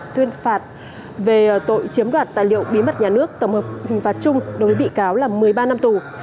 tuyên phạt về tội chiếm đoạt tài liệu bí mật nhà nước tổng hợp hình phạt chung đối với bị cáo là một mươi ba năm tù